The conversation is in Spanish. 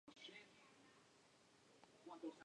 Esto era común en ambos sexos.